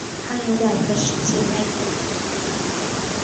她有两个姐妹和一个兄弟。